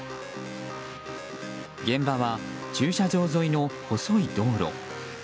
現場は駐車場沿いの細い道路。